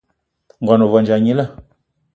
Ngón ohandja gnila